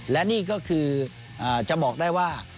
และนี่ก็คือจะบอกได้ว่า